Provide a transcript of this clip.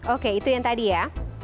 oke itu yang tadi ya